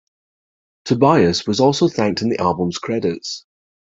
Tobias was also thanked in the album's credits.